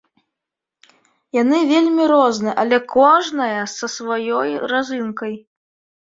Яны вельмі розныя, але кожная са сваёй разынкай.